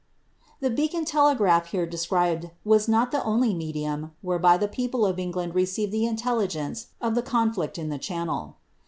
The beacon lelegraph here desctibeJ, was iiol ilie only medium, whereby the people of England receivetl intelligence of ihe conflict in the Channel.